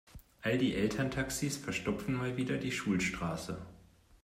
All die Elterntaxis verstopfen mal wieder die Schulstraße.